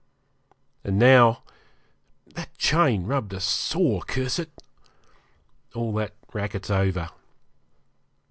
And now that chain rubbed a sore, curse it! all that racket's over.